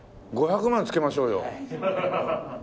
５００万つけましょうよ。